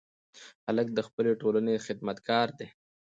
هلک د خپلې ټولنې خدمتګار دی.